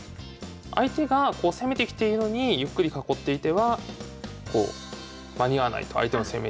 相手が攻めてきているのにゆっくり囲っていては間に合わないと相手の攻めに。